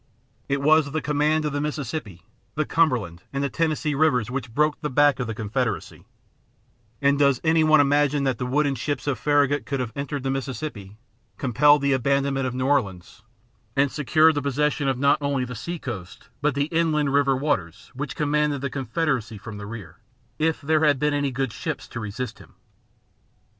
It was the command of the Mississippi, the Cumberland and the Tennessee rivers which "broke the back of the Confederacy"; and does any one imagine that the wooden ships of Farragut could have entered the Mississippi, compelled the abandonment of New Orleans, and secured the possession of not only the seacoast but the inland river waters which commanded the Confederacy from the rear, if there had been any good ships to resist him?